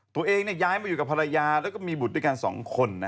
ตัวเองย้ายมาอยู่กับภรรยาแล้วก็มีบุตรด้วยกัน๒คน